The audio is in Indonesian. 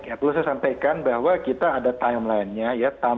ya perlu saya sampaikan bahwa kita ada timeline nya ya